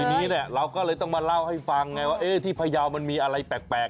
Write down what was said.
ทีนี้เราก็เลยต้องมาเล่าให้ฟังไงว่าที่พยาวมันมีอะไรแปลก